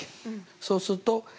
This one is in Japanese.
そうすると＝